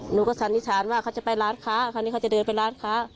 หนูก็สันนิษฐานว่าเขาจะไปร้านค้าคราวนี้เขาจะเดินไปร้านค้า